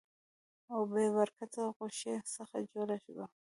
او بې برکته غوښې څخه جوړه وه.